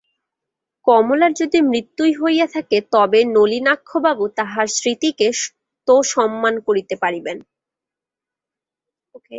কমলার যদি মৃত্যুই হইয়া থাকে, তবে নলিনাক্ষবাবু তাঁহার স্মৃতিকে তো সম্মান করিতে পারিবেন।